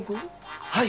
はい！